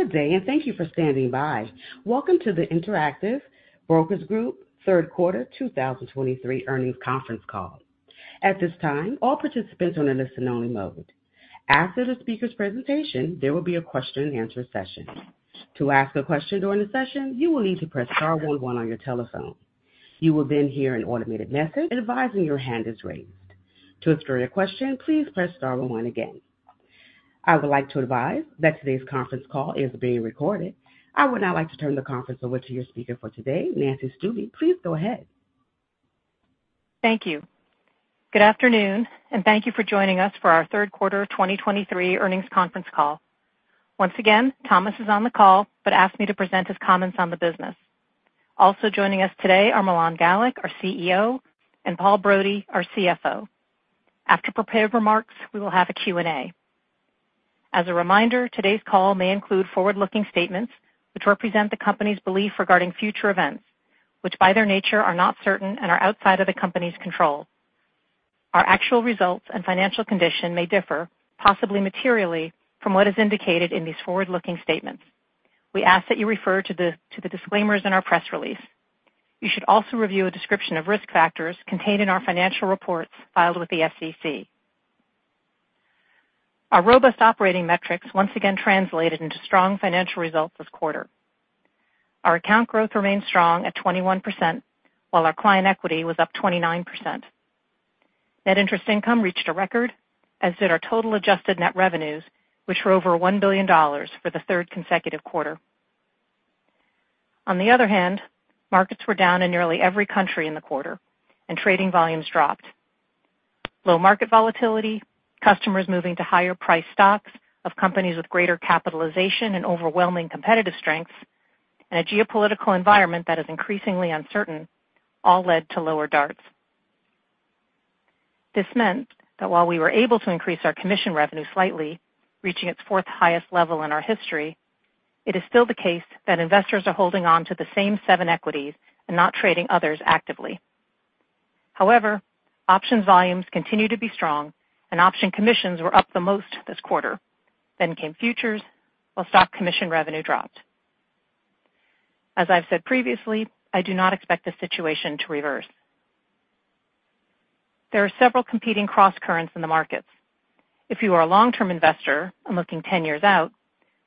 Good day, and thank you for standing by. Welcome to the Interactive Brokers Group third quarter 2023 earnings conference call. At this time, all participants are on a listen-only mode. After the speaker's presentation, there will be a question-and-answer session. To ask a question during the session, you will need to press star one one on your telephone. You will then hear an automated message advising your hand is raised. To withdraw your question, please press star one one again. I would like to advise that today's conference call is being recorded. I would now like to turn the conference over to your speaker for today, Nancy Stuebe. Please go ahead. Thank you. Good afternoon, and thank you for joining us for our third quarter 2023 earnings conference call. Once again, Thomas is on the call, but asked me to present his comments on the business. Also joining us today are Milan Galik, our CEO, and Paul Brody, our CFO. After prepared remarks, we will have a Q&A. As a reminder, today's call may include forward-looking statements which represent the company's belief regarding future events, which by their nature are not certain and are outside of the company's control. Our actual results and financial condition may differ, possibly materially, from what is indicated in these forward-looking statements. We ask that you refer to the disclaimers in our press release. You should also review a description of risk factors contained in our financial reports filed with the SEC. Our robust operating metrics once again translated into strong financial results this quarter. Our account growth remained strong at 21%, while our client equity was up 29%. Net interest income reached a record, as did our total adjusted net revenues, which were over $1 billion for the third consecutive quarter. On the other hand, markets were down in nearly every country in the quarter, and trading volumes dropped. Low market volatility, customers moving to higher-priced stocks of companies with greater capitalization and overwhelming competitive strengths, and a geopolitical environment that is increasingly uncertain all led to lower DARTs. This meant that while we were able to increase our commission revenue slightly, reaching its fourth highest level in our history, it is still the case that investors are holding on to the same seven equities and not trading others actively. However, options volumes continue to be strong, and option commissions were up the most this quarter. Then came futures, while stock commission revenue dropped. As I've said previously, I do not expect this situation to reverse. There are several competing crosscurrents in the markets. If you are a long-term investor and looking 10 years out,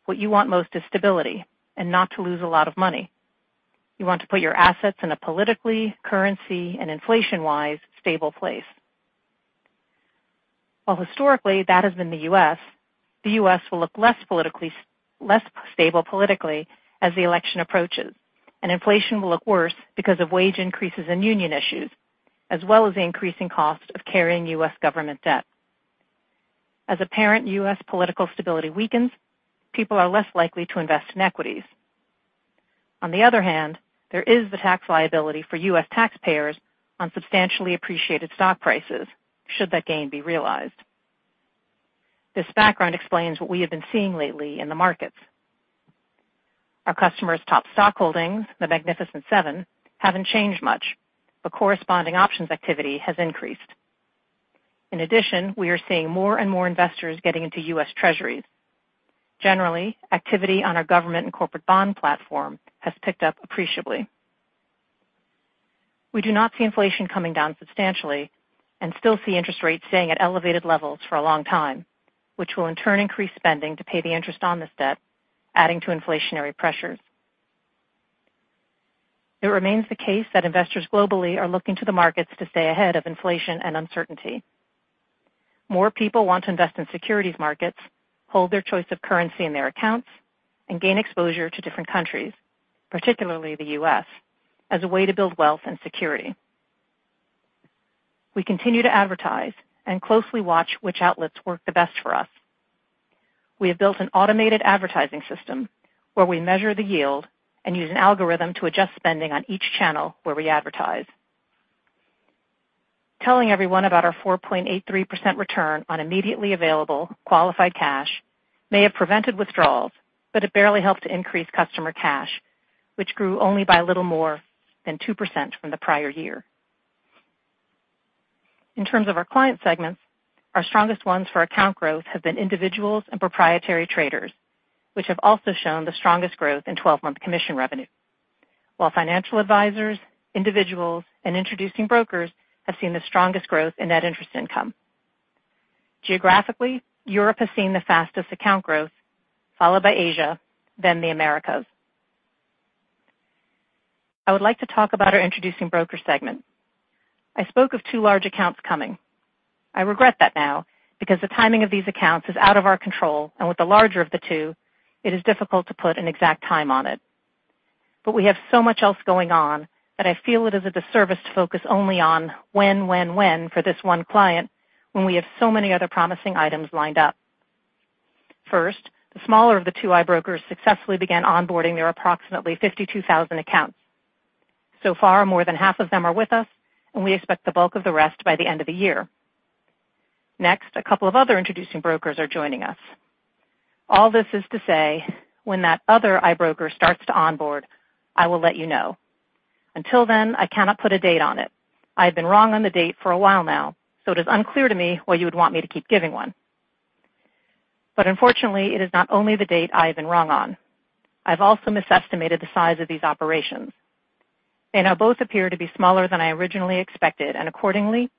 what you want most is stability and not to lose a lot of money. You want to put your assets in a politically, currency, and inflation-wise stable place. While historically that has been the U.S. will look less politically, less stable politically as the election approaches, and inflation will look worse because of wage increases and union issues, as well as the increasing cost of carrying US government debt. As apparent US political stability weakens, people are less likely to invest in equities. On the other hand, there is the tax liability for US taxpayers on substantially appreciated stock prices should that gain be realized. This background explains what we have been seeing lately in the markets. Our customers' top stock holdings, the Magnificent 7, haven't changed much, but corresponding options activity has increased. In addition, we are seeing more and more investors getting into US Treasuries. Generally, activity on our government and corporate bond platform has picked up appreciably. We do not see inflation coming down substantially and still see interest rates staying at elevated levels for a long time, which will in turn increase spending to pay the interest on this debt, adding to inflationary pressures. It remains the case that investors globally are looking to the markets to stay ahead of inflation and uncertainty. More people want to invest in securities markets, hold their choice of currency in their accounts, and gain exposure to different countries, particularly the U.S., as a way to build wealth and security. We continue to advertise and closely watch which outlets work the best for us. We have built an automated advertising system where we measure the yield and use an algorithm to adjust spending on each channel where we advertise. Telling everyone about our 4.83% return on immediately available qualified cash may have prevented withdrawals, but it barely helped to increase customer cash, which grew only by a little more than 2% from the prior year. In terms of our client segments, our strongest ones for account growth have been individuals and proprietary traders, which have also shown the strongest growth in 12-month commission revenue. While financial advisors, individuals, and Introducing Brokers have seen the strongest growth in net interest income. Geographically, Europe has seen the fastest account growth, followed by Asia, then the Americas. I would like to talk about our Introducing Broker segment. I spoke of two large accounts coming. I regret that now because the timing of these accounts is out of our control, and with the larger of the two, it is difficult to put an exact time on it. But we have so much else going on that I feel it is a disservice to focus only on when, when, when for this one client, when we have so many other promising items lined up. First, the smaller of the two IBrokers successfully began onboarding their approximately 52,000 accounts. So far, more than half of them are with us, and we expect the bulk of the rest by the end of the year. Next, a couple of other Introducing Brokers are joining us. All this is to say, when that other IBroker starts to onboard, I will let you know. Until then, I cannot put a date on it. I have been wrong on the date for a while now, so it is unclear to me why you would want me to keep giving one. But unfortunately, it is not only the date I have been wrong on, I've also misestimated the size of these operations. They now both appear to be smaller than I originally expected, and accordingly,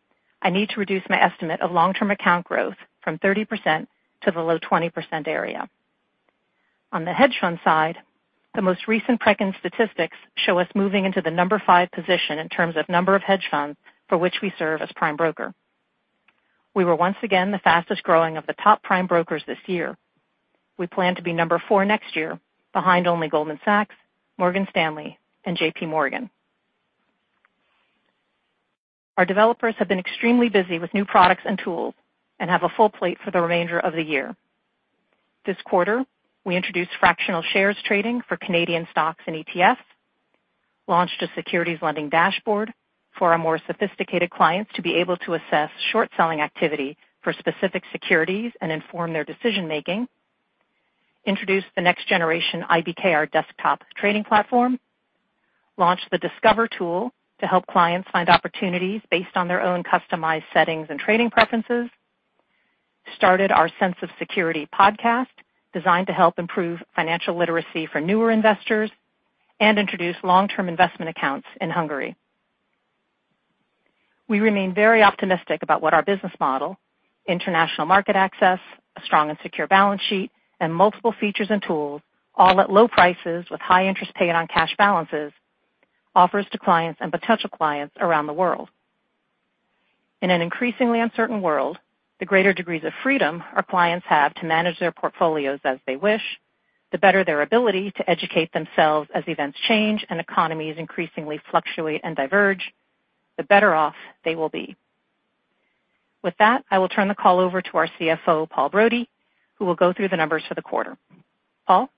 I need to reduce my estimate of long-term account growth from 30% to the low 20% area. On the hedge fund side, the most recent Preqin statistics show us moving into the number five position in terms of number of hedge funds for which we serve as prime broker. We were once again the fastest growing of the top prime brokers this year. We plan to be number four next year, behind only Goldman Sachs, Morgan Stanley, and JP Morgan. Our developers have been extremely busy with new products and tools and have a full plate for the remainder of the year. This quarter, we introduced fractional shares trading for Canadian stocks and ETFs, launched a Securities Lending Dashboard for our more sophisticated clients to be able to assess short-selling activity for specific securities and inform their decision making, introduced the next-generation IBKR Desktop trading platform, launched the Discover tool to help clients find opportunities based on their own customized settings and trading preferences, started our Sense of Security podcast, designed to help improve financial literacy for newer investors, and introduce long-term investment accounts in Hungary. We remain very optimistic about what our business model, international market access, a strong and secure balance sheet, and multiple features and tools, all at low prices with high interest paid on cash balances, offers to clients and potential clients around the world. In an increasingly uncertain world, the greater degrees of freedom our clients have to manage their portfolios as they wish, the better their ability to educate themselves as events change and economies increasingly fluctuate and diverge, the better off they will be. With that, I will turn the call over to our CFO, Paul Brody, who will go through the numbers for the quarter. Paul?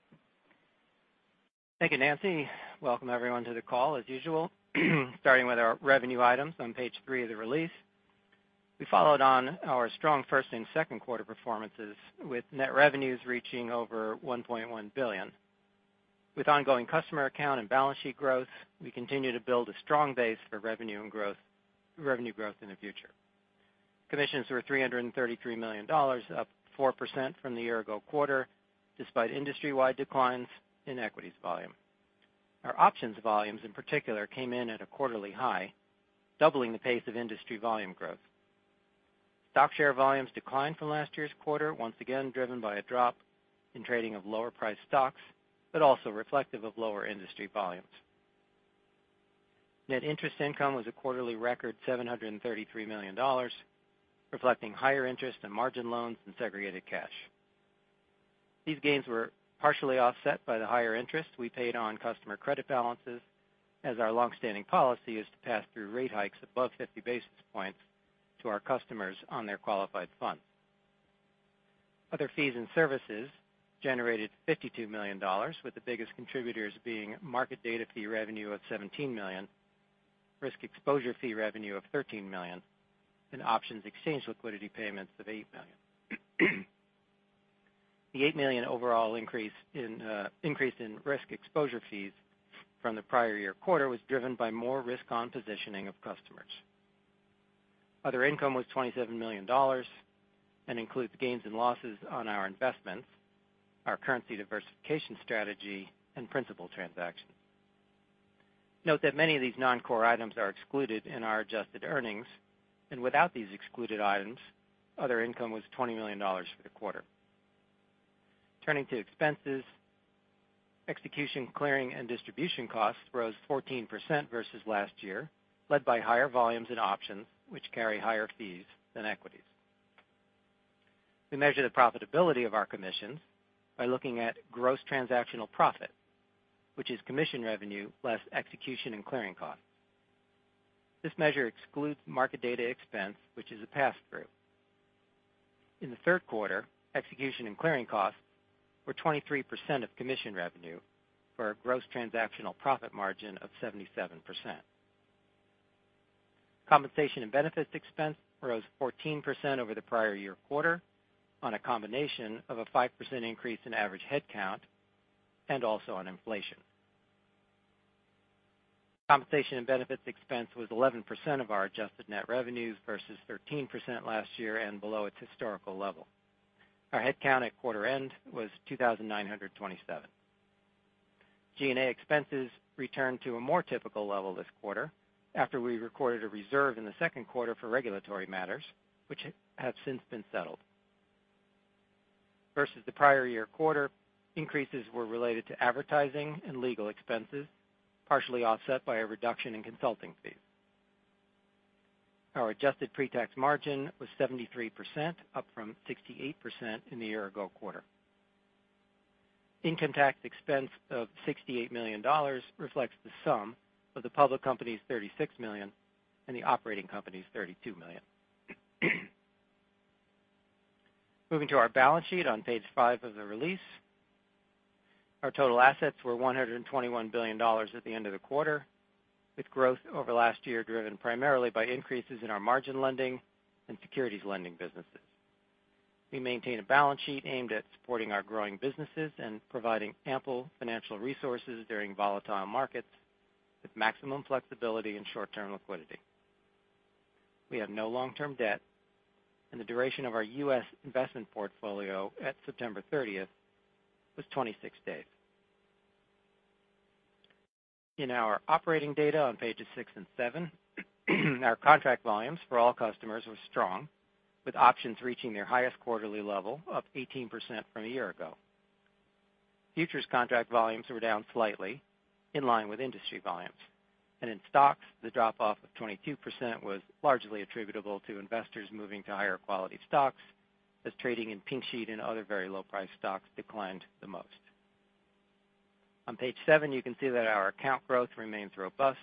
Thank you, Nancy. Welcome everyone to the call. As usual, starting with our revenue items on page 3 of the release. We followed on our strong first and second quarter performances, with net revenues reaching over $1.1 billion. With ongoing customer account and balance sheet growth, we continue to build a strong base for revenue and growth, revenue growth in the future. Commissions were $333 million, up 4% from the year ago quarter, despite industry-wide declines in equities volume. Our options volumes in particular, came in at a quarterly high, doubling the pace of industry volume growth. Stock share volumes declined from last year's quarter, once again driven by a drop in trading of lower priced stocks, but also reflective of lower industry volumes. Net interest income was a quarterly record $733 million, reflecting higher interest in margin loans and segregated cash. These gains were partially offset by the higher interest we paid on customer credit balances, as our long-standing policy is to pass-through rate hikes above 50 basis points to our customers on their qualified funds. Other fees and services generated $52 million, with the biggest contributors being market data fee revenue of $17 million, risk exposure fee revenue of $13 million, and options exchange liquidity payments of $8 million. The $8 million overall increase in, increase in risk exposure fees from the prior year quarter was driven by more risk on positioning of customers. Other income was $27 million, and includes gains and losses on our investments, our currency diversification strategy, and principal transactions. Note that many of these non-core items are excluded in our adjusted earnings, and without these excluded items, other income was $20 million for the quarter. Turning to expenses, execution, clearing, and distribution costs rose 14% versus last year, led by higher volumes and options, which carry higher fees than equities. We measure the profitability of our commissions by looking at gross transactional profit, which is commission revenue less execution and clearing costs. This measure excludes market data expense, which is a pass-through. In the third quarter, execution and clearing costs were 23% of commission revenue for a gross transactional profit margin of 77%. Compensation and benefits expense rose 14% over the prior year quarter on a combination of a 5% increase in average headcount and also on inflation. Compensation and benefits expense was 11% of our adjusted net revenues versus 13% last year and below its historical level. Our headcount at quarter end was 2,927. G&A expenses returned to a more typical level this quarter after we recorded a reserve in the second quarter for regulatory matters, which have since been settled. Versus the prior year quarter, increases were related to advertising and legal expenses, partially offset by a reduction in consulting fees. Our adjusted pre-tax margin was 73%, up from 68% in the year ago quarter. Income tax expense of $68 million reflects the sum of the public company's $36 million and the operating company's $32 million. Moving to our balance sheet on page five of the release. Our total assets were $121 billion at the end of the quarter, with growth over last year driven primarily by increases in our margin lending and securities lending businesses. We maintain a balance sheet aimed at supporting our growing businesses and providing ample financial resources during volatile markets, with maximum flexibility and short-term liquidity. We have no long-term debt, and the duration of our US investment portfolio at September 30 was 26 days. In our operating data on pages 6 and 7, our contract volumes for all customers were strong, with options reaching their highest quarterly level, up 18% from a year ago. Futures contract volumes were down slightly, in line with industry volumes. In stocks, the drop off of 22% was largely attributable to investors moving to higher quality stocks, as trading in Pink Sheet and other very low-priced stocks declined the most. On page seven, you can see that our account growth remains robust,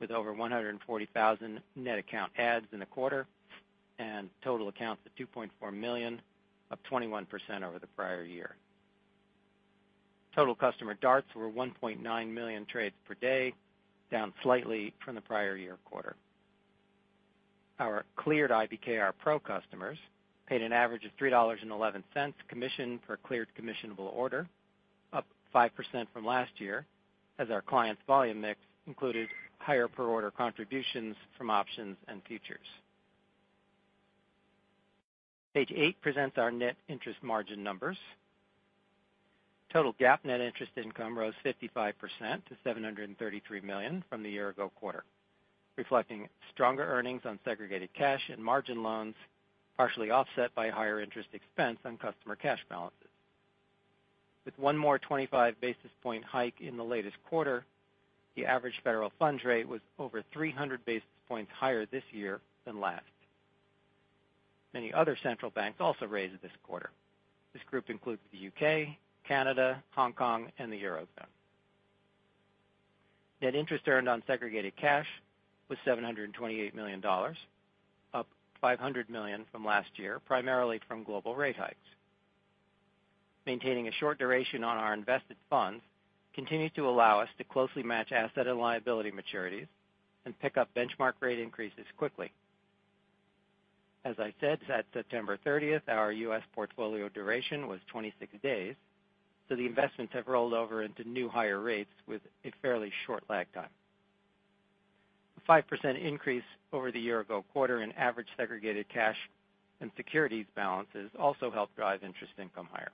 with over 140,000 net account adds in the quarter, and total accounts of 2.4 million, up 21% over the prior year. Total customer DARTs were 1.9 million trades per day, down slightly from the prior year quarter. Our cleared IBKR Pro customers paid an average of $3.11 commission per cleared commissionable order, up 5% from last year, as our clients' volume mix included higher per order contributions from options and futures. Page eight presents our net interest margin numbers. Total GAAP net interest income rose 55% to $733 million from the year ago quarter, reflecting stronger earnings on segregated cash and margin loans, partially offset by higher interest expense on customer cash balances. With one more 25 basis point hike in the latest quarter, the average federal funds rate was over 300 basis points higher this year than last. Many other central banks also raised this quarter. This group includes the U.K., Canada, Hong Kong, and the Eurozone. Net interest earned on segregated cash was $728 million, up $500 million from last year, primarily from global rate hikes. Maintaining a short duration on our invested funds continued to allow us to closely match asset and liability maturities and pick up benchmark rate increases quickly. As I said, at September 30th, our US portfolio duration was 26 days, so the investments have rolled over into new higher rates with a fairly short lag time. A 5% increase over the year-ago quarter in average segregated cash and securities balances also helped drive interest income higher.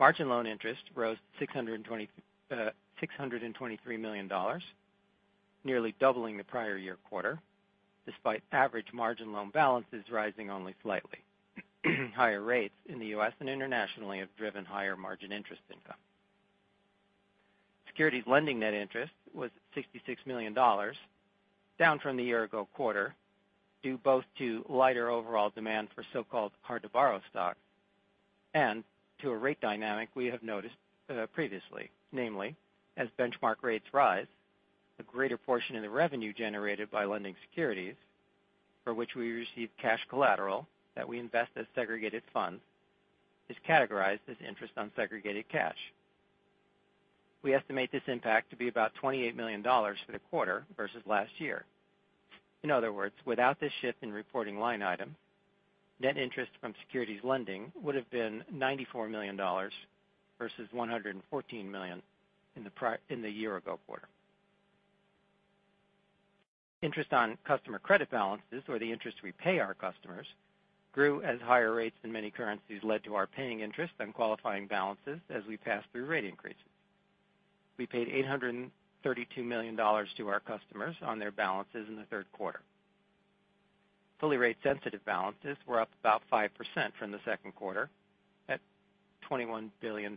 Margin loan interest rose $623 million, nearly doubling the prior-year quarter, despite average margin loan balances rising only slightly. Higher rates in the U.S. and internationally have driven higher margin interest income. Securities lending net interest was $66 million, down from the year ago quarter, due both to lighter overall demand for so-called hard to borrow stock and to a rate dynamic we have noticed previously, namely, as benchmark rates rise, a greater portion of the revenue generated by lending securities, for which we receive cash collateral that we invest as segregated funds, is categorized as interest on segregated cash. We estimate this impact to be about $28 million for the quarter versus last year. In other words, without this shift in reporting line item, net interest from securities lending would have been $94 million versus $114 million in the year ago quarter. Interest on customer credit balances, or the interest we pay our customers, grew as higher rates in many currencies led to our paying interest on qualifying balances as we passed through rate increases. We paid $832 million to our customers on their balances in the third quarter. Fully rate sensitive balances were up about 5% from the second quarter at $21 billion.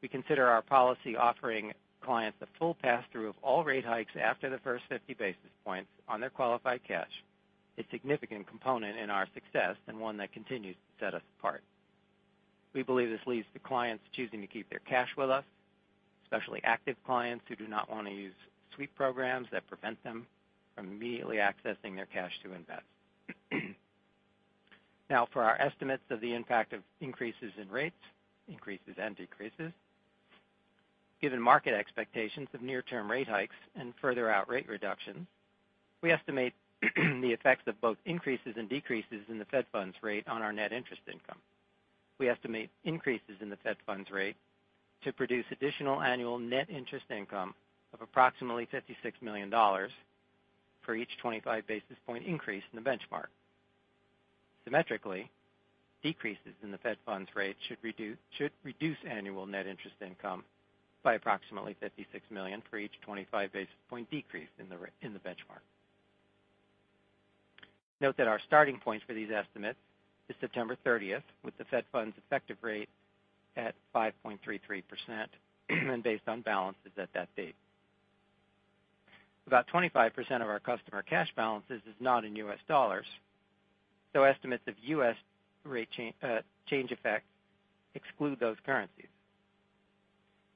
We consider our policy offering clients the full pass-through of all rate hikes after the first 50 basis points on their qualified cash, a significant component in our success and one that continues to set us apart. We believe this leads to clients choosing to keep their cash with us, especially active clients who do not want to use sweep programs that prevent them from immediately accessing their cash to invest. Now, for our estimates of the impact of increases in rates, increases and decreases. Given market expectations of near-term rate hikes and further out rate reductions, we estimate the effects of both increases and decreases in the Fed funds rate on our net interest income. We estimate increases in the Fed funds rate to produce additional annual net interest income of approximately $56 million for each 25 basis point increase in the benchmark. Symmetrically, decreases in the Fed funds rate should reduce annual net interest income by approximately $56 million for each 25 basis point decrease in the benchmark. Note that our starting point for these estimates is September 30th, with the Fed funds effective rate at 5.33%, and based on balances at that date. About 25% of our customer cash balances is not in US dollars, so estimates of US rate change effects exclude those currencies.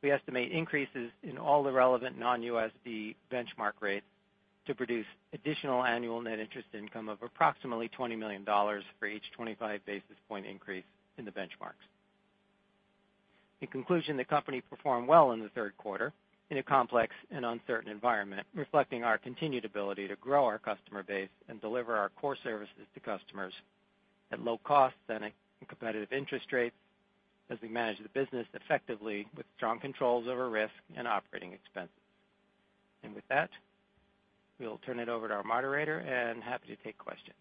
We estimate increases in all the relevant non-USD benchmark rates to produce additional annual net interest income of approximately $20 million for each 25 basis point increase in the benchmarks.... In conclusion, the company performed well in the third quarter in a complex and uncertain environment, reflecting our continued ability to grow our customer base and deliver our core services to customers at low costs and a competitive interest rates as we manage the business effectively with strong controls over risk and operating expenses. With that, we'll turn it over to our moderator, and happy to take questions.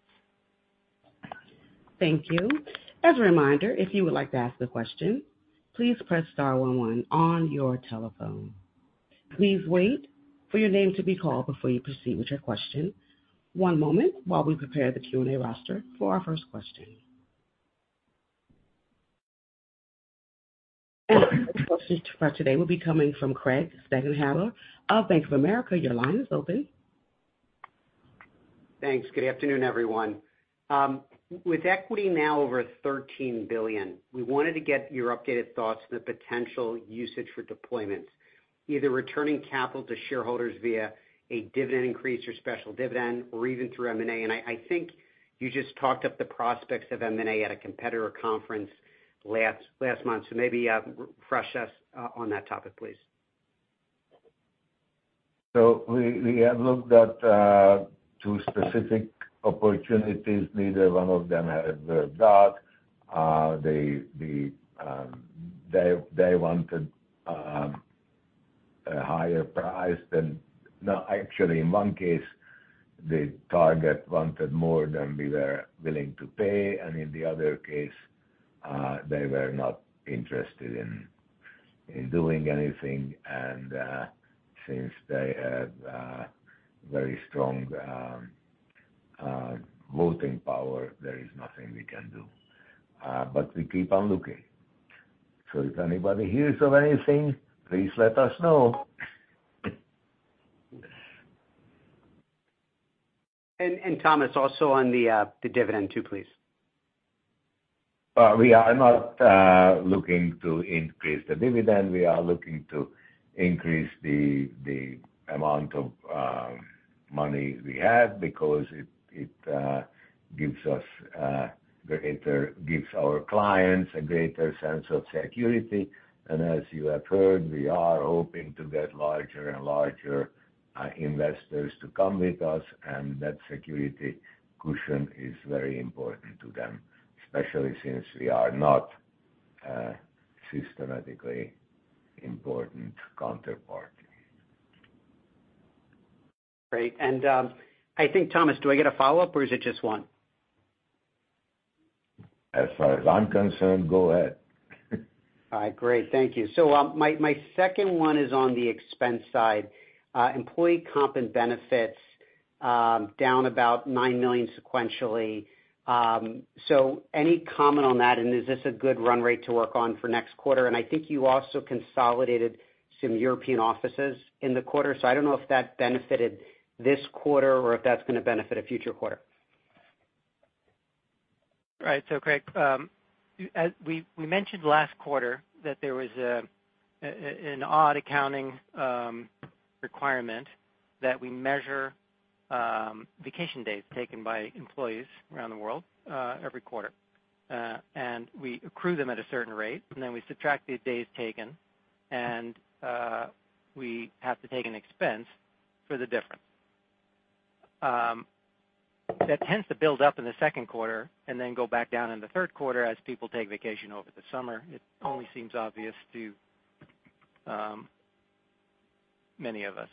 Thank you. As a reminder, if you would like to ask a question, please press star one one on your telephone. Please wait for your name to be called before you proceed with your question. One moment while we prepare the Q&A roster for our first question. Our first question for today will be coming from Craig Siegenthaler of Bank of America. Your line is open. Thanks. Good afternoon, everyone. With equity now over $13 billion, we wanted to get your updated thoughts on the potential usage for deployments, either returning capital to shareholders via a dividend increase or special dividend, or even through M&A. I, I think you just talked up the prospects of M&A at a competitor conference last, last month. Maybe, refresh us, on that topic, please. So we have looked at two specific opportunities. Neither one of them had worked out. They wanted a higher price than—no, actually, in one case, the target wanted more than we were willing to pay, and in the other case, they were not interested in doing anything. Since they had a very strong voting power, there is nothing we can do. But we keep on looking. So if anybody hears of anything, please let us know. And Thomas, also on the dividend too, please. We are not looking to increase the dividend. We are looking to increase the amount of money we have because it gives our clients a greater sense of security. And as you have heard, we are hoping to get larger and larger investors to come with us, and that security cushion is very important to them, especially since we are not a systemically important counterparty. Great. And, I think, Thomas, do I get a follow-up or is it just one? As far as I'm concerned, go ahead. All right, great. Thank you. So, my, my second one is on the expense side. Employee comp and benefits, down about $9 million sequentially. So any comment on that, and is this a good run rate to work on for next quarter? And I think you also consolidated some European offices in the quarter, so I don't know if that benefited this quarter or if that's gonna benefit a future quarter. Right. So, Craig, as we mentioned last quarter that there was an odd accounting requirement that we measure vacation days taken by employees around the world every quarter. And we accrue them at a certain rate, and then we subtract the days taken, and we have to take an expense for the difference. That tends to build up in the second quarter and then go back down in the third quarter as people take vacation over the summer. It only seems obvious to many of us.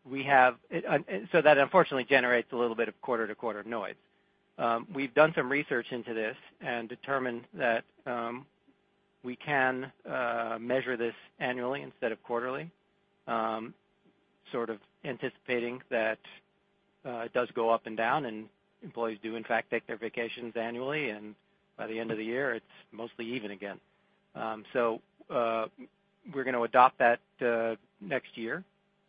And so that unfortunately generates a little bit of quarter-to-quarter noise. We've done some research into this and determined that we can measure this annually instead of quarterly, sort of anticipating that it does go up and down, and employees do, in fact, take their vacations annually, and by the end of the year, it's mostly even again. So, we're gonna adopt that next year,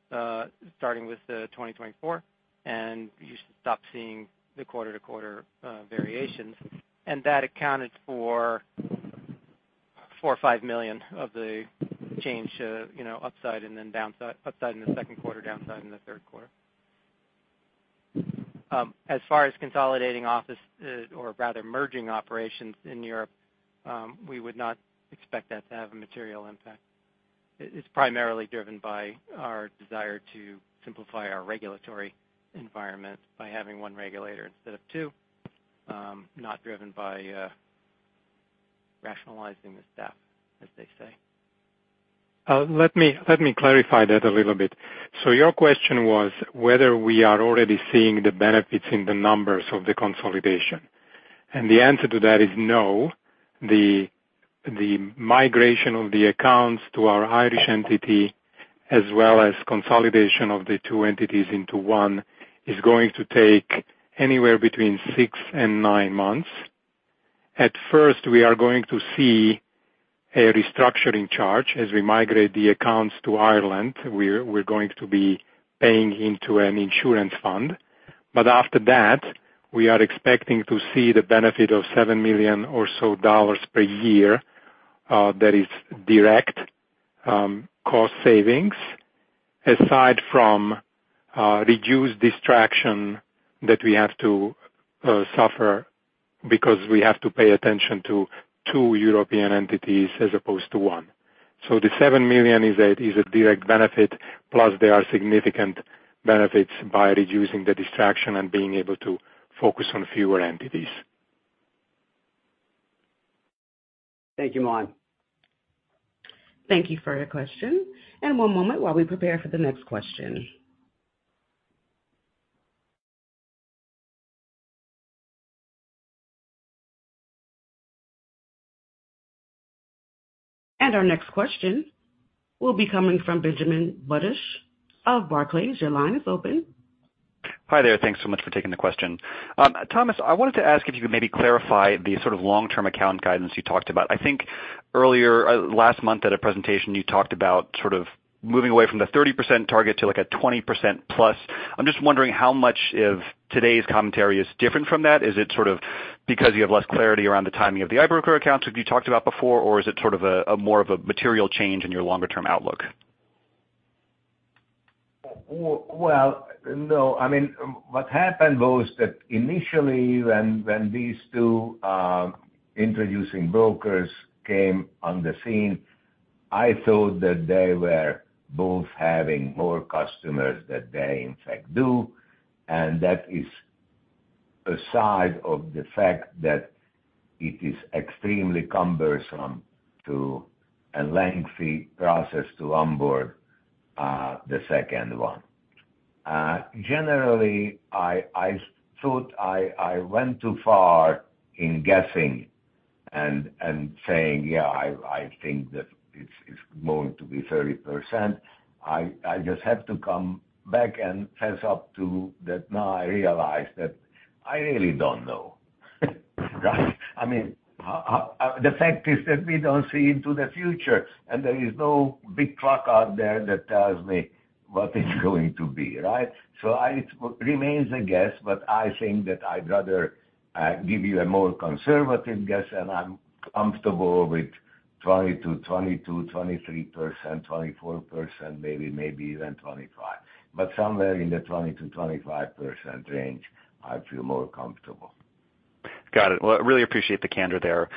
starting with 2024, and you should stop seeing the quarter-to-quarter variations. And that accounted for $4 million-$5 million of the change to, you know, upside and then downside, upside in the second quarter, downside in the third quarter. As far as consolidating office, or rather, merging operations in Europe, we would not expect that to have a material impact. It's primarily driven by our desire to simplify our regulatory environment by having one regulator instead of two, not driven by rationalizing the staff, as they say. Let me clarify that a little bit. So your question was whether we are already seeing the benefits in the numbers of the consolidation, and the answer to that is no. The migration of the accounts to our Irish entity, as well as consolidation of the two entities into one, is going to take anywhere between 6 and 9 months. At first, we are going to see a restructuring charge. As we migrate the accounts to Ireland, we're going to be paying into an insurance fund. But after that, we are expecting to see the benefit of $7 million or so per year, that is direct cost savings, aside from reduced distraction that we have to suffer because we have to pay attention to two European entities as opposed to one. So the $7 million is a direct benefit, plus there are significant benefits by reducing the distraction and being able to focus on fewer entities. Thank you, Milan. Thank you for your question, and one moment while we prepare for the next question. Our next question will be coming from Benjamin Budish of Barclays. Your line is open. Hi there. Thanks so much for taking the question. Thomas, I wanted to ask if you could maybe clarify the sort of long-term account guidance you talked about. I think earlier last month at a presentation, you talked about sort of moving away from the 30% target to, like, a 20%+. I'm just wondering how much of today's commentary is different from that. Is it sort of because you have less clarity around the timing of the IBKR accounts that you talked about before, or is it sort of a more of a material change in your longer-term outlook? Well, no. I mean, what happened was that initially, when these two Introducing Brokers came on the scene, I thought that they were both having more customers that they in fact do, and that is aside of the fact that it is extremely cumbersome to a lengthy process to onboard the second one. Generally, I thought I went too far in guessing and saying, "Yeah, I think that it's going to be 30%." I just have to come back and fess up to that. Now I realize that I really don't know. Right? I mean, the fact is that we don't see into the future, and there is no big clock out there that tells me what it's going to be, right? So it remains a guess, but I think that I'd rather give you a more conservative guess, and I'm comfortable with 20%-22%, 23%, 24%, maybe, maybe even 25, but somewhere in the 20%-25% range, I feel more comfortable. Got it. Well, I really appreciate the candor there.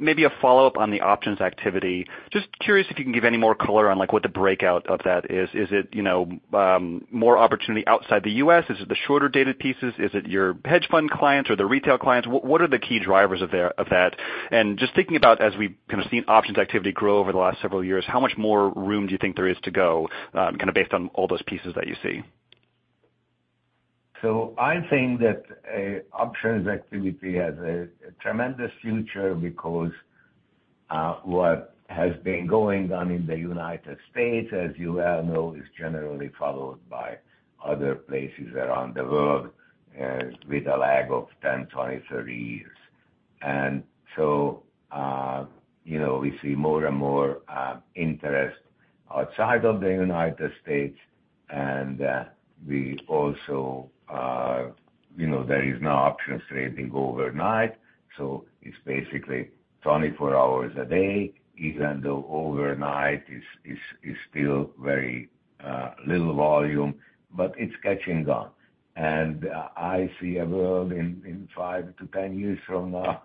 Maybe a follow-up on the options activity. Just curious if you can give any more color on, like, what the breakout of that is. Is it, you know, more opportunity outside the U.S.? Is it the shorter dated pieces? Is it your hedge fund clients or the retail clients? What, what are the key drivers of their- of that? And just thinking about as we've kind of seen options activity grow over the last several years, how much more room do you think there is to go, kind of, based on all those pieces that you see? So I think that options activity has a tremendous future because what has been going on in the United States, as you well know, is generally followed by other places around the world with a lag of 10, 20, 30 years. And so you know, we see more and more interest outside of the United States, and we also you know, there is now options trading overnight, so it's basically 24 hours a day, even though overnight is still very little volume, but it's catching on. And I see a world in 5-10 years from now,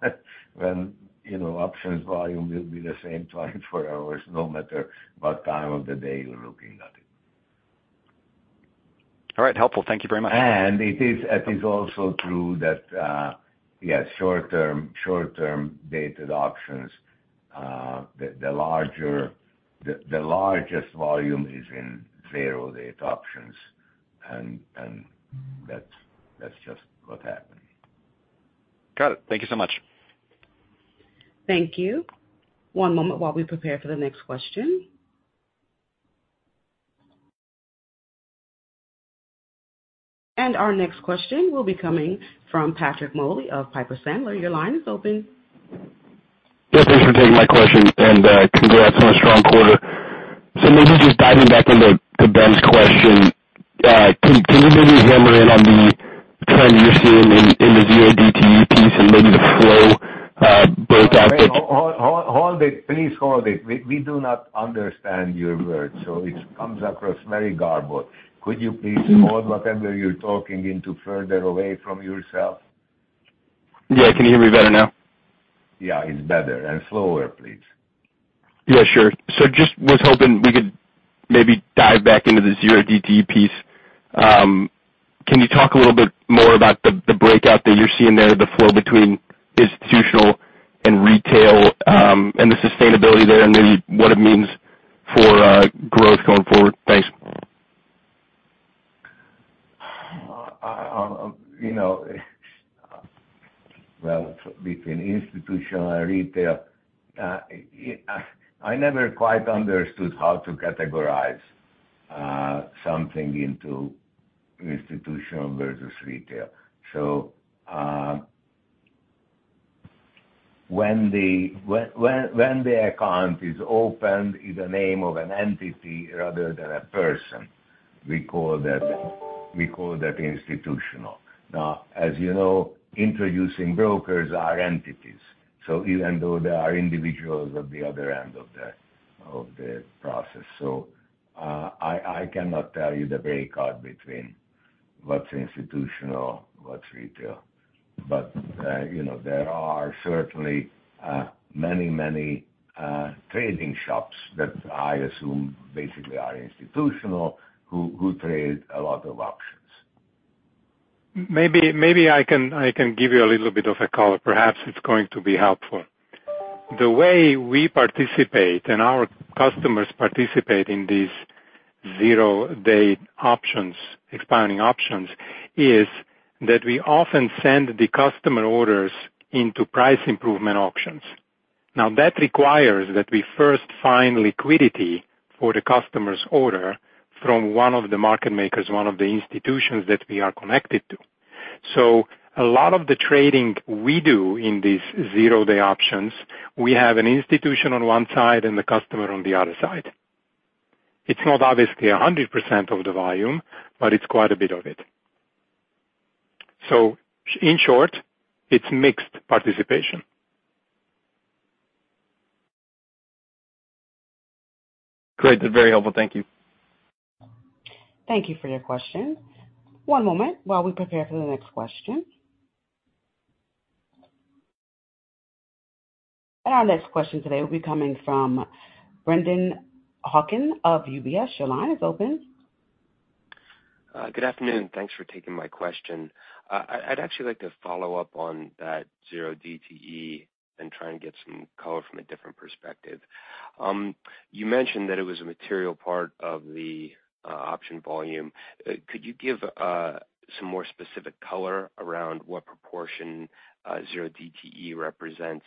when you know, options volume will be the same 24 hours, no matter what time of the day you're looking at it. All right, helpful. Thank you very much. And it is also true that, yes, short-term dated options, the largest volume is in zero DTE options, and that's just what happened. Got it. Thank you so much. Thank you. One moment while we prepare for the next question. Our next question will be coming from Patrick Moley of Piper Sandler. Your line is open. Yeah, thanks for taking my question, and, congrats on a strong quarter. So maybe just diving back into Ben's question, can you maybe hammer in on the trend you're seeing in the zero DTE piece and maybe the flow, breakout? Wait, hold it. Please hold it. We do not understand your words, so it comes across very garbled. Could you please hold whatever you're talking into further away from yourself? Yeah. Can you hear me better now? Yeah, it's better. And slower, please. Yeah, sure. So just was hoping we could maybe dive back into the zero DTE piece. Can you talk a little bit more about the, the breakout that you're seeing there, the flow between institutional and retail, and the sustainability there, and then what it means for growth going forward? Thanks. You know, well, between institutional and retail, I never quite understood how to categorize something into institutional versus retail. So, when the account is opened in the name of an entity rather than a person, we call that institutional. Now, as you know, Introducing Brokers are entities, so even though there are individuals at the other end of the process. So, I cannot tell you the breakout between what's institutional, what's retail. But, you know, there are certainly many, many trading shops that I assume basically are institutional, who trade a lot of options. Maybe I can give you a little bit of color. Perhaps it's going to be helpful. The way we participate and our customers participate in these zero-DTE options, expiring options, is that we often send the customer orders into price improvement options. Now, that requires that we first find liquidity for the customer's order from one of the market makers, one of the institutions that we are connected to. So a lot of the trading we do in these zero DTE options, we have an institution on one side and the customer on the other side. It's not obviously 100% of the volume, but it's quite a bit of it. So in short, it's mixed participation. Great. That's very helpful. Thank you. Thank you for your question. One moment while we prepare for the next question. Our next question today will be coming from Brennan Hawken of UBS. Your line is open. Good afternoon. Thanks for taking my question. I'd actually like to follow up on that zero DTE and try and get some color from a different perspective. You mentioned that it was a material part of the option volume. Could you give some more specific color around what proportion zero DTE represents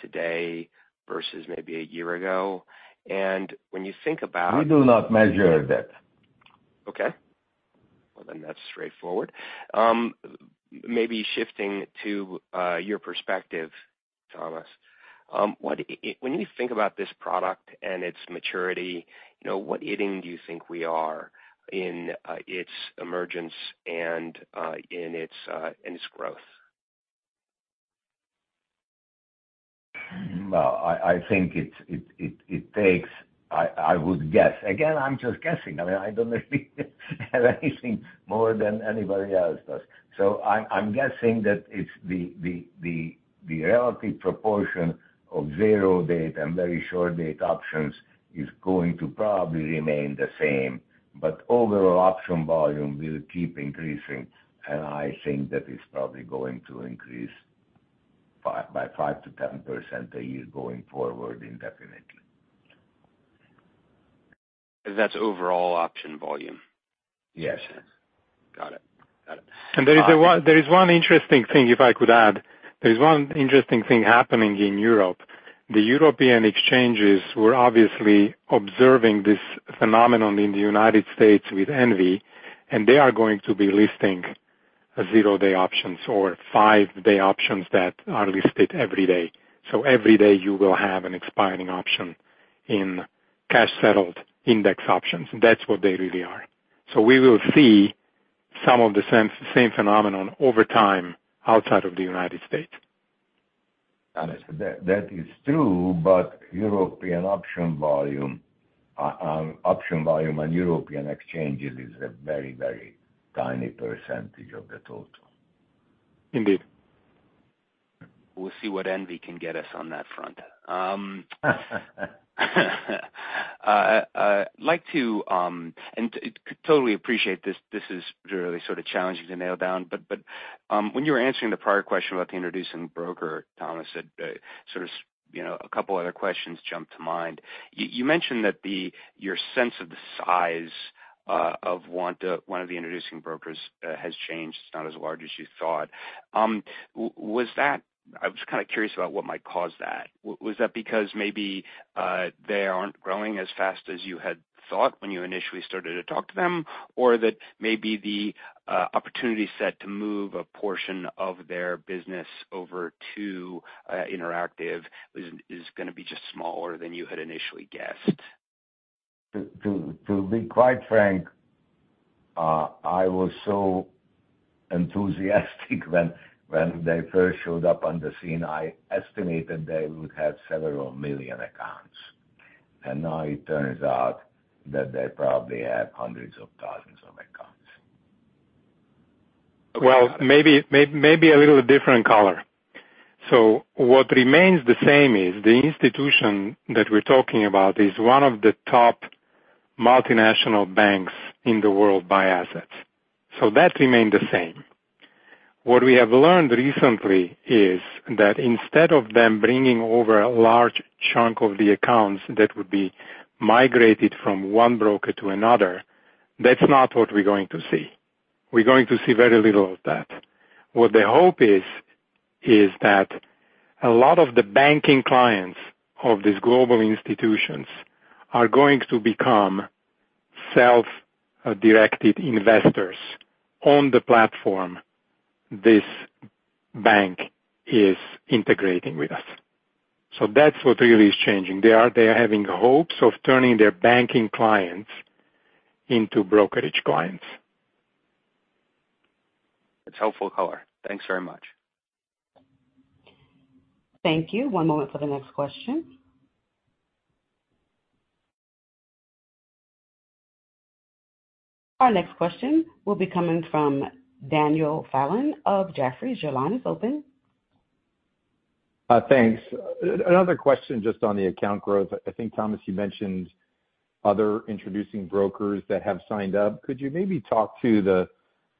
today versus maybe a year ago? And when you think about- We do not measure that. Okay. Well, then that's straightforward. Maybe shifting to your perspective, Thomas. When you think about this product and its maturity, you know, what inning do you think we are in its emergence and in its growth? Well, I think it takes... I would guess, again, I'm just guessing. I mean, I don't know anything more than anybody else does. So I'm guessing that it's the relative proportion of zero-date and very short-date options is going to probably remain the same, but overall option volume will keep increasing, and I think that it's probably going to increase by 5%-10% a year going forward, indefinitely. That's overall option volume? Yes. Got it. Got it. There is one interesting thing, if I could add. There is one interesting thing happening in Europe. The European exchanges were obviously observing this phenomenon in the United States with envy, and they are going to be listing zero-day options or five-day options that are listed every day. So every day you will have an expiring option in cash-settled index options. That's what they really are. So we will see some of the same, same phenomenon over time outside of the United States. And that, that is true, but European option volume, option volume on European exchanges is a very, very tiny percentage of the total. Indeed. We'll see what envy can get us on that front. I'd like to totally appreciate this, this is really sort of challenging to nail down, but when you were answering the prior question about the Introducing Broker, Thomas, it sort of, you know, a couple other questions jumped to mind. You mentioned that your sense of the size of one of the Introducing Brokers has changed. It's not as large as you thought. Was that... I was kind of curious about what might cause that. Was that because maybe they aren't growing as fast as you had thought when you initially started to talk to them? Or that maybe the opportunity set to move a portion of their business over to Interactive is gonna be just smaller than you had initially guessed? To be quite frank, I was so enthusiastic when they first showed up on the scene. I estimated they would have several million accounts, and now it turns out that they probably have hundreds of thousands of accounts. Well, maybe a little different color. What remains the same is the institution that we're talking about is one of the top multinational banks in the world by assets, so that remained the same. What we have learned recently is that instead of them bringing over a large chunk of the accounts that would be migrated from one broker to another, that's not what we're going to see. We're going to see very little of that. What the hope is, is that a lot of the banking clients of these global institutions are going to become self-directed investors on the platform this bank is integrating with us. So that's what really is changing. They are having hopes of turning their banking clients into brokerage clients. That's helpful color. Thanks very much. Thank you. One moment for the next question. Our next question will be coming from Daniel Fannon of Jefferies. Your line is open. Thanks. Another question just on the account growth. I think, Thomas, you mentioned other Introducing Brokers that have signed up. Could you maybe talk to the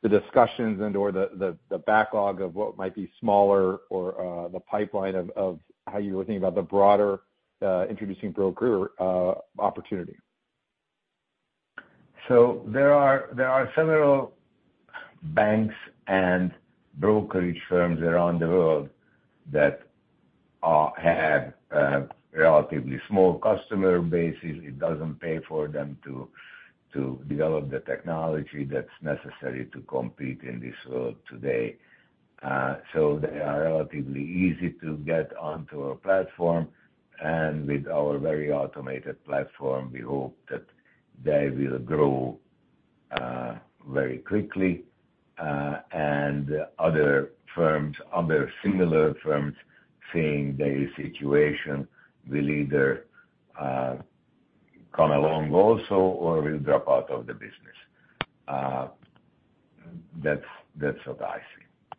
discussions and/or the backlog of what might be smaller or the pipeline of how you're looking about the broader Introducing Broker opportunity? So there are several banks and brokerage firms around the world that have relatively small customer bases. It doesn't pay for them to develop the technology that's necessary to compete in this world today. So they are relatively easy to get onto our platform, and with our very automated platform, we hope that they will grow very quickly. And other firms, other similar firms, seeing their situation, will either come along also or will drop out of the business. That's what I see.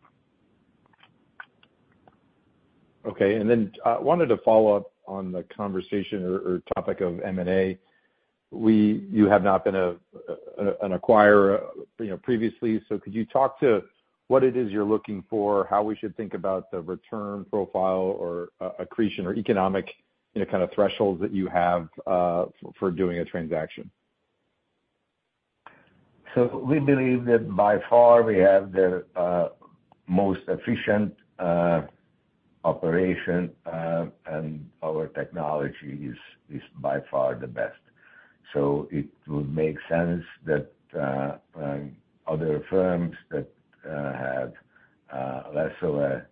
Okay. And then wanted to follow up on the conversation or topic of M&A. You have not been an acquirer, you know, previously, so could you talk to what it is you're looking for, how we should think about the return profile or accretion or economic, you know, kind of thresholds that you have for doing a transaction? So we believe that by far we have the most efficient operation and our technology is by far the best. So it would make sense that other firms that have less of a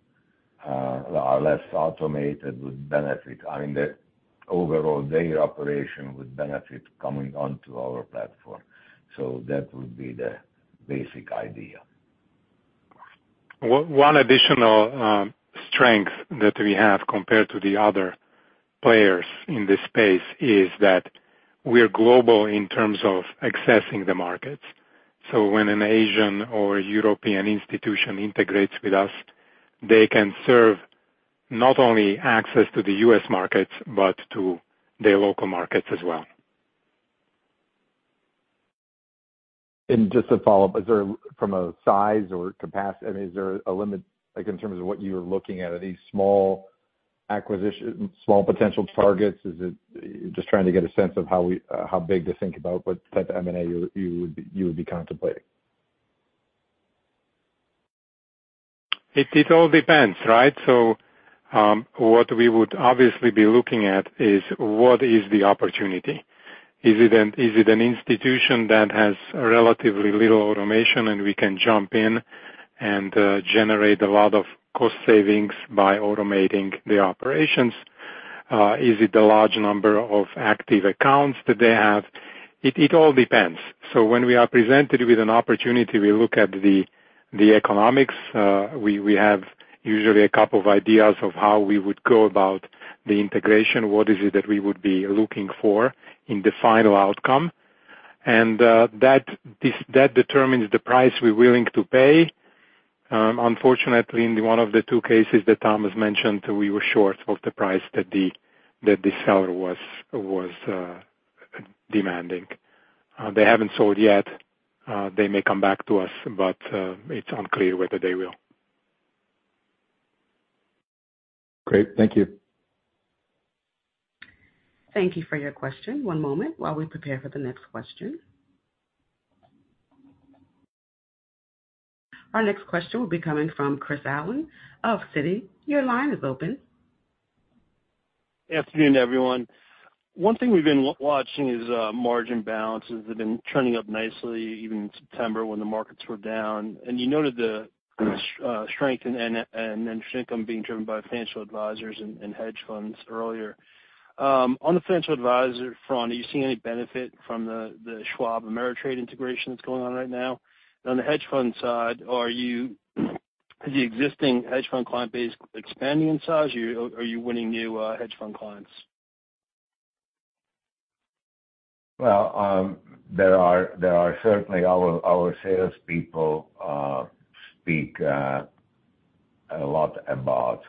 are less automated would benefit. I mean, the overall data operation would benefit coming onto our platform. So that would be the basic idea. One additional strength that we have compared to the other players in this space is that we are global in terms of accessing the markets. So when an Asian or European institution integrates with us, they can serve not only access to the US markets, but to their local markets as well. Just to follow up, is there from a size or capacity? I mean, is there a limit, like, in terms of what you're looking at? Are these small acquisition-small potential targets? Is it... Just trying to get a sense of how we, how big to think about, what type of M&A you, you would be, you would be contemplating. It all depends, right? So, what we would obviously be looking at is what is the opportunity? Is it an institution that has relatively little automation, and we can jump in and generate a lot of cost savings by automating the operations? Is it the large number of active accounts that they have? It all depends. So when we are presented with an opportunity, we look at the economics. We have usually a couple of ideas of how we would go about the integration, what is it that we would be looking for in the final outcome? And that determines the price we're willing to pay. Unfortunately, in one of the two cases that Thomas mentioned, we were short of the price that the seller was demanding. They haven't sold yet. They may come back to us, but it's unclear whether they will. Great. Thank you. Thank you for your question. One moment while we prepare for the next question. Our next question will be coming from Chris Allen of Citi. Your line is open. Afternoon, everyone. One thing we've been watching is margin balances have been trending up nicely, even in September when the markets were down. And you noted the strength and income being driven by financial advisors and hedge funds earlier. On the financial advisor front, are you seeing any benefit from the Schwab Ameritrade integration that's going on right now? And on the hedge fund side, are you the existing hedge fund client base expanding in size, or are you winning new hedge fund clients? Well, there are certainly our salespeople speak a lot about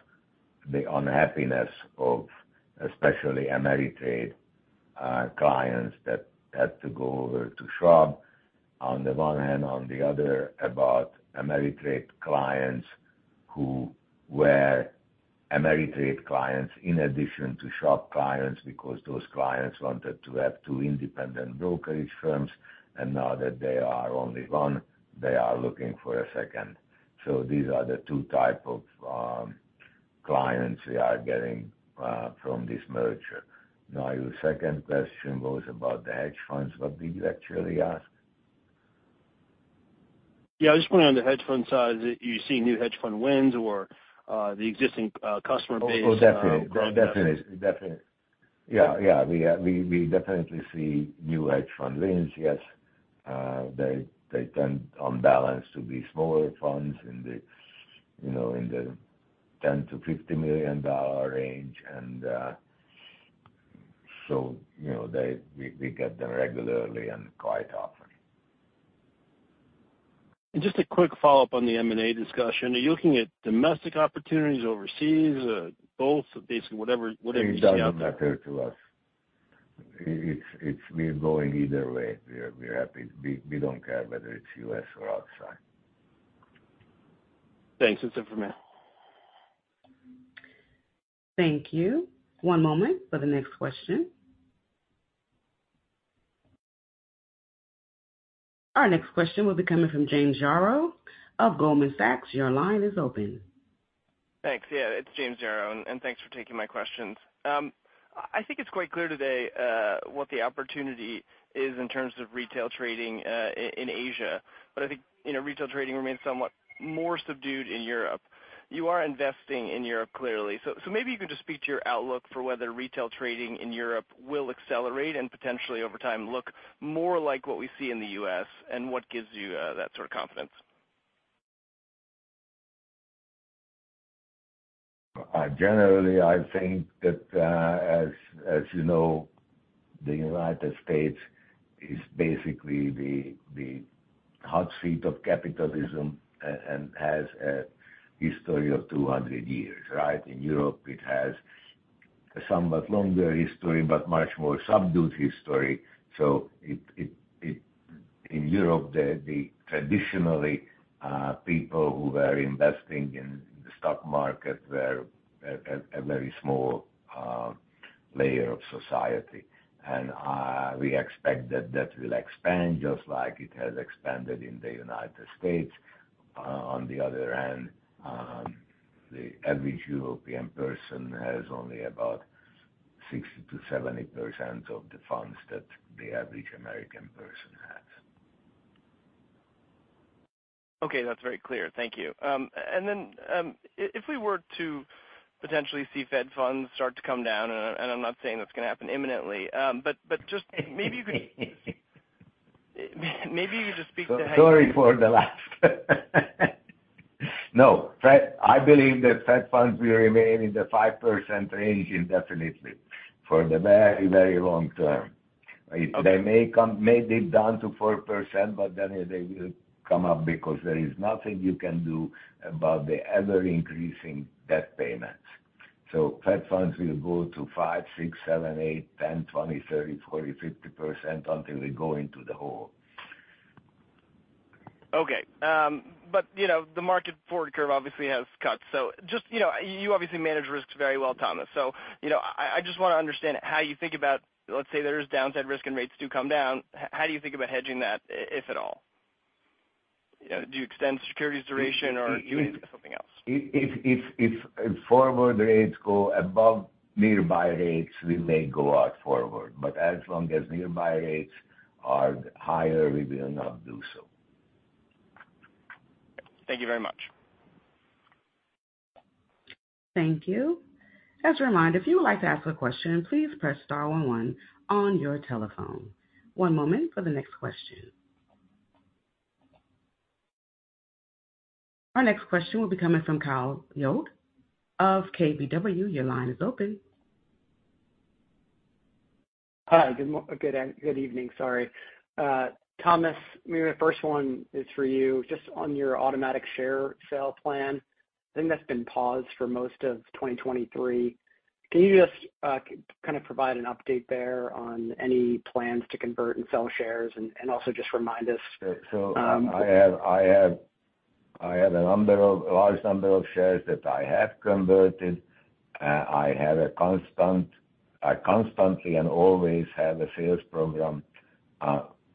the unhappiness of especially Ameritrade clients that had to go over to Schwab, on the one hand, on the other, about Ameritrade clients who were Ameritrade clients in addition to Schwab clients, because those clients wanted to have two independent brokerage firms, and now that they are only one, they are looking for a second. So these are the two type of clients we are getting from this merger. Now, your second question was about the hedge funds. What did you actually ask? ... Yeah, I just want on the hedge fund side, you see new hedge fund wins or the existing customer base? Oh, definitely. Definitely, definitely. Yeah, yeah, we, we definitely see new hedge fund wins. Yes, they, they tend, on balance, to be smaller funds in the, you know, in the $10 million-$50 million range, and, so, you know, we get them regularly and quite often. Just a quick follow-up on the M&A discussion. Are you looking at domestic opportunities, overseas, both, basically, whatever, whatever- It doesn't matter to us. It's been going either way. We are happy. We don't care whether it's U.S. or outside. Thanks. That's it for me. Thank you. One moment for the next question. Our next question will be coming from James Yaro of Goldman Sachs. Your line is open. Thanks. Yeah, it's James Yaro, and, and thanks for taking my questions. I think it's quite clear today what the opportunity is in terms of retail trading in Asia. But I think, you know, retail trading remains somewhat more subdued in Europe. You are investing in Europe, clearly. So, so maybe you can just speak to your outlook for whether retail trading in Europe will accelerate and potentially, over time, look more like what we see in the U.S., and what gives you that sort of confidence? Generally, I think that, as you know, the United States is basically the hot seat of capitalism and has a history of 200 years, right? In Europe, it has a somewhat longer history, but much more subdued history. So in Europe, traditionally, people who were investing in the stock market were a very small layer of society. And we expect that that will expand just like it has expanded in the United States. On the other hand, the average European person has only about 60%-70% of the funds that the average American person has. Okay, that's very clear. Thank you. And then, if we were to potentially see Fed funds start to come down, and I'm not saying that's gonna happen imminently, but just maybe you could just speak to- Sorry for the laugh. No, I believe that Fed funds will remain in the 5% range indefinitely for the very, very long term. Okay. They may come, may dip down to 4%, but then they will come up because there is nothing you can do about the ever-increasing debt payments. So Fed funds will go to 5, 6, 7, 8, 10, 20, 30, 40, 50% until we go into the hole. Okay. But, you know, the market forward curve obviously has cuts. So just, you know, you obviously manage risks very well, Thomas. So, you know, I just wanna understand how you think about, let's say, there is downside risk and rates do come down, how do you think about hedging that, if at all? You know, do you extend securities duration or do you do something else? If forward rates go above nearby rates, we may go out forward, but as long as nearby rates are higher, we will not do so. Thank you very much. Thank you. As a reminder, if you would like to ask a question, please press star one one on your telephone. One moment for the next question. Our next question will be coming from Kyle Voigt of KBW. Your line is open. Hi, good evening. Sorry. Thomas, maybe the first one is for you. Just on your automatic share sale plan, I think that's been paused for most of 2023. Can you just kind of provide an update there on any plans to convert and sell shares and also just remind us- So, I have a large number of shares that I have converted. I constantly and always have a sales program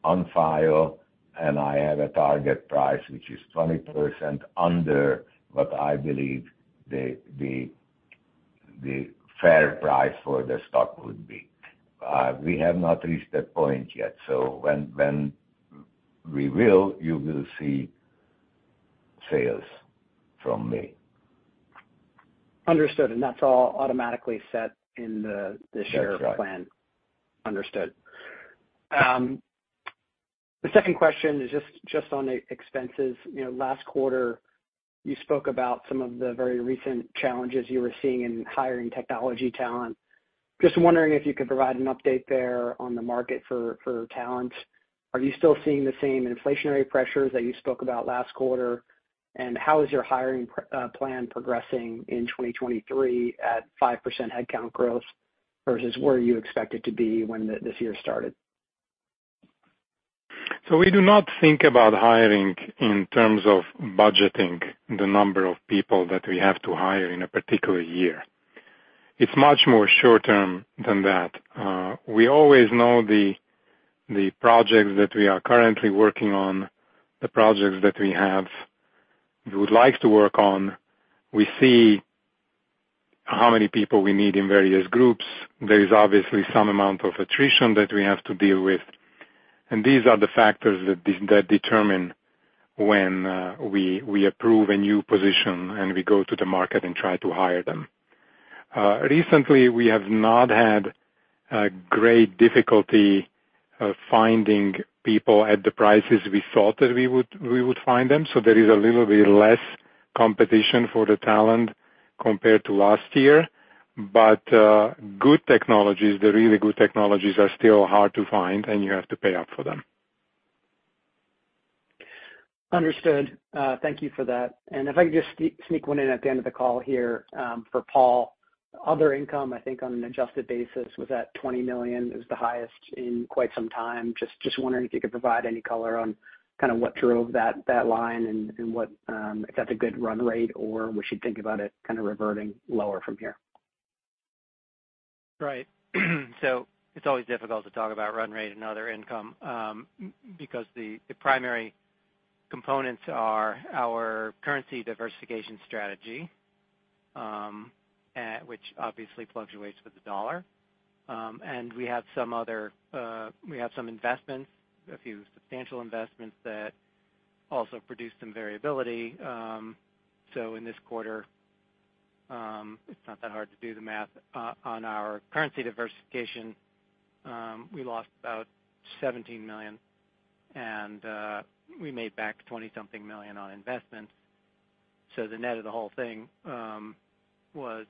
on file, and I have a target price, which is 20% under what I believe the fair price for the stock would be. We have not reached that point yet, so when we will, you will see sales from me. Understood. That's all automatically set in the share plan? That's right. Understood. The second question is just on expenses. You know, last quarter, you spoke about some of the very recent challenges you were seeing in hiring technology talent. Just wondering if you could provide an update there on the market for talent. Are you still seeing the same inflationary pressures that you spoke about last quarter? And how is your hiring plan progressing in 2023 at 5% headcount growth versus where you expect it to be when this year started? So we do not think about hiring in terms of budgeting the number of people that we have to hire in a particular year. It's much more short term than that. We always know the projects that we are currently working on, the projects that we have, we would like to work on. We see how many people we need in various groups. There is obviously some amount of attrition that we have to deal with, and these are the factors that determine when we approve a new position and we go to the market and try to hire them. Recently, we have not had great difficulty of finding people at the prices we thought that we would find them, so there is a little bit less competition for the talent compared to last year. But good technologies, the really good technologies are still hard to find, and you have to pay up for them. Understood. Thank you for that. If I could just sneak one in at the end of the call here, for Paul. Other income, I think, on an adjusted basis, was at $20 million. It was the highest in quite some time. Just wondering if you could provide any color on kind of what drove that line and what if that's a good run rate, or we should think about it kind of reverting lower from here? Right. So it's always difficult to talk about run rate and other income, because the primary components are our currency diversification strategy, which obviously fluctuates with the dollar. And we have some other, we have some investments, a few substantial investments that also produce some variability. So in this quarter, it's not that hard to do the math. On our currency diversification, we lost about $17 million, and we made back $20-something million on investments. So the net of the whole thing was,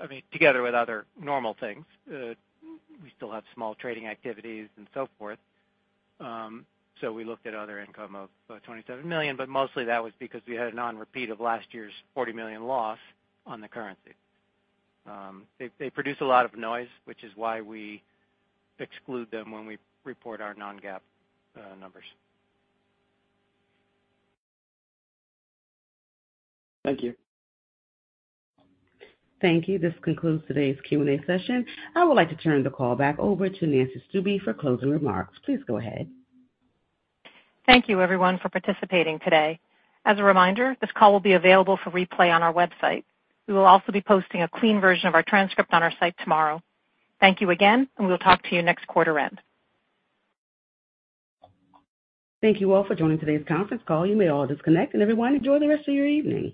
I mean, together with other normal things, we still have small trading activities and so forth. So we looked at other income of about $27 million, but mostly that was because we had a non-repeat of last year's $40 million loss on the currency. They produce a lot of noise, which is why we exclude them when we report our non-GAAP numbers. Thank you. Thank you. This concludes today's Q&A session. I would like to turn the call back over to Nancy Stuebe for closing remarks. Please go ahead. Thank you, everyone, for participating today. As a reminder, this call will be available for replay on our website. We will also be posting a clean version of our transcript on our site tomorrow. Thank you again, and we will talk to you next quarter-end. Thank you all for joining today's conference call. You may all disconnect, and everyone, enjoy the rest of your evening!